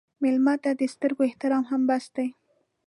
مېلمه ته د سترګو احترام هم بس دی.